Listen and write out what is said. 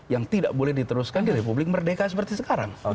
yang tidak boleh diteruskan di republik merdeka seperti sekarang